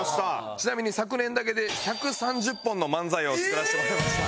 ちなみに昨年だけで１３０本の漫才を作らせてもらいました。